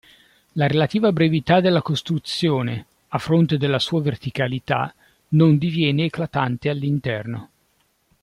La relativa brevità della costruzione a fronte della sua verticalità non diviene eclatante all'interno.